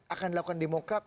akan dilakukan demokrat